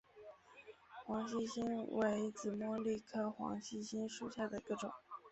黄细心为紫茉莉科黄细心属下的一个种。